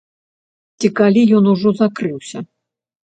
Ці калі ён ужо закрыўся.